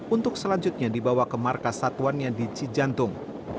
untuk selanjutnya dibawa ke markas satuannya di cijantung